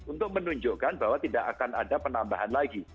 untuk menunjukkan bahwa tidak akan ada penambahan lagi